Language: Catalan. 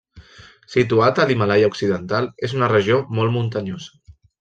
Situat a l'Himàlaia occidental, és una regió molt muntanyosa.